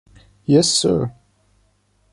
Yes, sir.